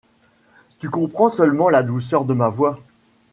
Tu comprends seulement la douceur de ma voix.